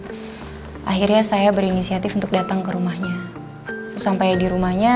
tapi nggak diangkat akhirnya saya berinisiatif untuk datang ke rumahnya sampai di rumahnya